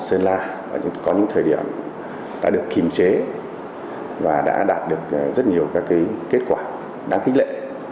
sơn la có những thời điểm đã được kiềm chế và đã đạt được rất nhiều các kết quả đáng khích lệ